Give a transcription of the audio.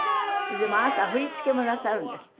でもあなた振り付けもなさるんですって？